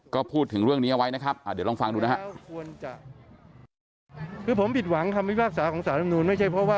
ก็พูดถึงเรื่องนี้เอาไว้นะครับเดี๋ยวลองฟังดูนะครับ